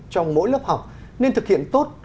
trong mỗi lớp học nên thực hiện tốt